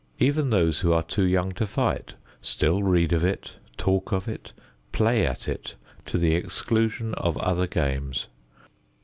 Even those who are too young to fight still read of it, talk of it, play at it to the exclusion of other games.